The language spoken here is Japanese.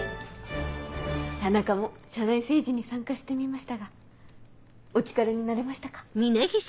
田中も社内政治に参加してみましたがお力になれましたか？